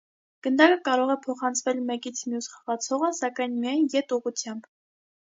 Գնդակը կարող է փոխանցվել մեկից մյուս խաղացողը, սակայն միայն ետ ուղղությամբ։